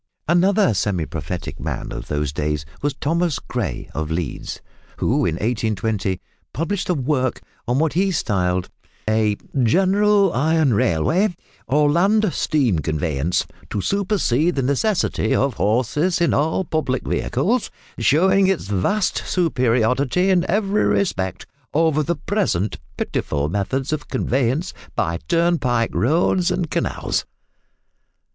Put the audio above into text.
Another semi prophetic man of these days was Thomas Gray, of Leeds, who in 1820 published a work on what he styled a "General Iron Railway, or Land Steam Conveyance, to supersede the necessity of Horses in all public vehicles, showing its vast superiority in every respect over the present pitiful Methods of Conveyance by Turnpike Roads and Canals."